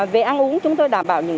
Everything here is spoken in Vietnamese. về ăn uống chúng tôi đảm bảo